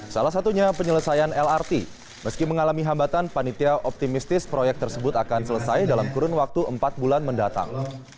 salah satunya penyelesaian lrt meski mengalami hambatan panitia optimistis proyek tersebut akan selesai dalam kurun waktu empat bulan mendatang